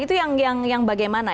itu yang bagaimana